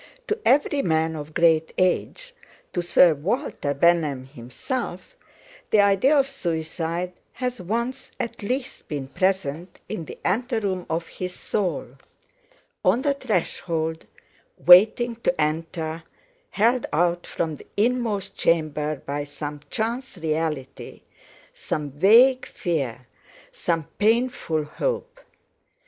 To every man of great age—to Sir Walter Bentham himself—the idea of suicide has once at least been present in the ante room of his soul; on the threshold, waiting to enter, held out from the inmost chamber by some chance reality, some vague fear, some painful hope.